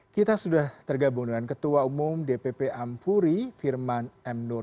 kita sudah tergabung dengan ketua umum dpp ampuri firman m nur